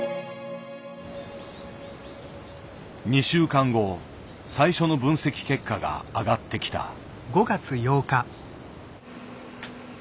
２週間後最初の分析結果が上がってきた。